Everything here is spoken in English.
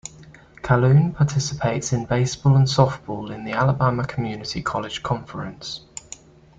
Calhoun participates in baseball and softball in the Alabama Community College Conference.